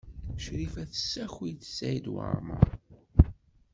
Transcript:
Crifa tessaki-d Saɛid Waɛmaṛ.